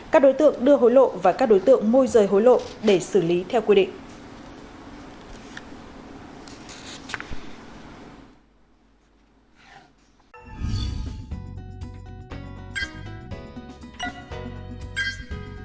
các đối tượng đưa hối lộ và các đối tượng môi rời hối lộ để xử lý theo quy định